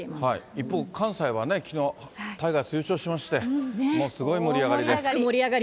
一方、関西はね、きのう、タイガース優勝しまして、もうすごい盛り上がりで。